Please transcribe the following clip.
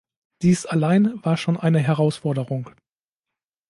Dies allein war schon eine Herausforderung.